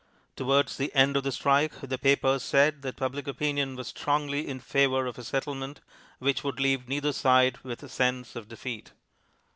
Towards the end of the strike the papers said that Public Opinion was strongly in favour of a settlement which would leave neither side with a sense of defeat.